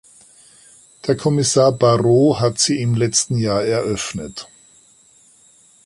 Der Kommissar Barrot hat sie im letzten Jahr eröffnet.